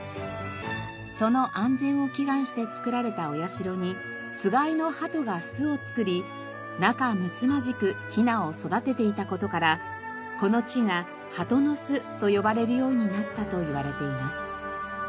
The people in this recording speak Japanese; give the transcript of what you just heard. その安全を祈願して作られたお社につがいの鳩が巣を作り仲むつまじくヒナを育てていた事からこの地が「鳩ノ巣」と呼ばれるようになったといわれています。